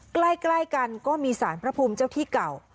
ใกล้กันก็มีสารพระภูมิเจ้าที่เก่า